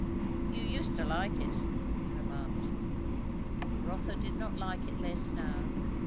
"You used to like it," he remarked. Rotha did not like it less now.